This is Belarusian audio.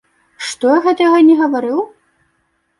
Што я гэтага не гаварыў?